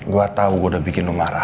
gue tau gue udah bikin lu marah